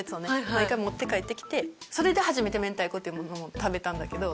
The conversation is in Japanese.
毎回持って帰ってきてそれで初めて明太子っていうものを食べたんだけど。